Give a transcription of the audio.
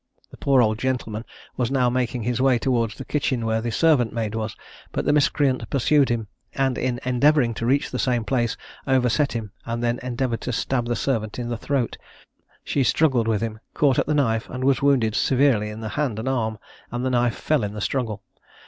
The poor old gentleman was now making his way towards the kitchen, where the servant maid was; but the miscreant pursued him, and in endeavouring to reach the same place, overset him, and then endeavoured to stab the servant in the throat: she struggled with him, caught at the knife, and was wounded severely in the hand and arm, and the knife fell in the struggle.